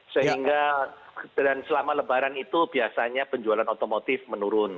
sehingga dan selama lebaran itu biasanya penjualan otomotif menurun